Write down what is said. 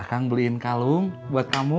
akan saya belikan segengidik untukmu